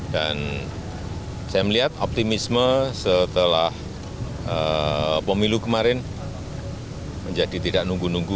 dan saya melihat optimisme setelah pemilu kemarin menjadi tidak nunggu nunggu